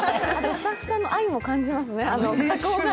スタッフさんの愛も感じますね。